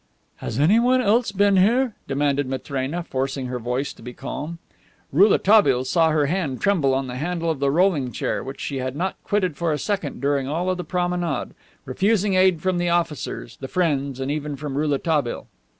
"Has anyone else been here?" demanded Matrena, forcing her voice to be calm. Rouletabille saw her hand tremble on the handle of the rolling chair, which she had not quitted for a second during all the promenade, refusing aid from the officers, the friends, and even from Rouletabille.